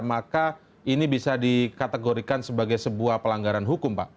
maka ini bisa dikategorikan sebagai sebuah pelanggaran hukum pak